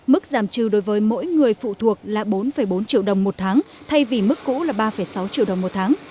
mức giảm trừ đối với mỗi người phụ thuộc là bốn bốn triệu đồng một tháng thay vì mức cũ là ba sáu triệu đồng một tháng